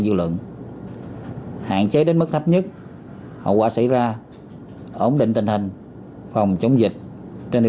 dư luận hạn chế đến mức thấp nhất hậu quả xảy ra ổn định tình hình phòng chống dịch trên địa